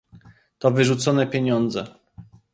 To wyrzucone pieniądze